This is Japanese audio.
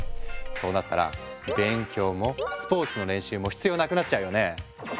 そうなったら勉強もスポーツの練習も必要なくなっちゃうよね。